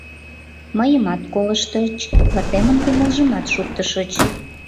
— Мыйымат колыштыч, ватемын кумылжымат шуктышыч...